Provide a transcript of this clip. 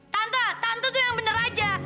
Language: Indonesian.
tante tanta tuh yang bener aja